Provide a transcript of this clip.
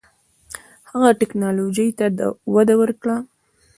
هغه ټیکنالوژۍ ته وده ورکړه.